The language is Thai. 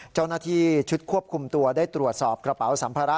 เจ้าหน้าที่ชุดควบคุมตัวได้ตรวจสอบกระเป๋าสัมภาระ